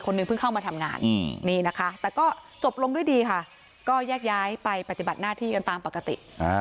นึงเพิ่งเข้ามาทำงานนี่นะคะแต่ก็จบลงด้วยดีค่ะก็แยกย้ายไปปฏิบัติหน้าที่กันตามปกติ